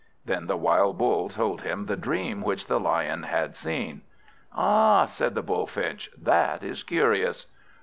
Then the wild Bull told him the dream which the Lion had seen. "Ah," said the Bullfinch, "that is curious."